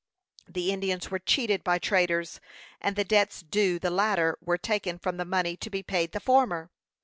The Indians were cheated by traders, and the debts due the latter were taken from the money to be paid the former.